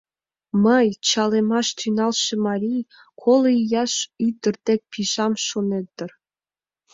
Мый — чалемаш тӱҥалше марий — коло ияш ӱдыр дек пижам, шонет дыр...